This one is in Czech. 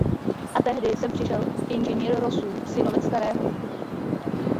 A tehdy sem přišel inženýr Rossum, synovec starého.